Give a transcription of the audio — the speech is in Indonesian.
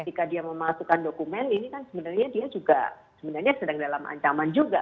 ketika dia memasukkan dokumen ini kan sebenarnya dia juga sebenarnya sedang dalam ancaman juga